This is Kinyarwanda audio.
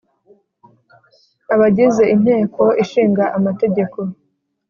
abagize Inteko Ishinga Amategeko